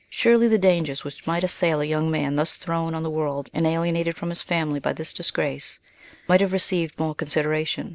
Surely the dangers which might assail a young man thus thrown on the world and alienated from his family by this disgrace might have received more con sideration.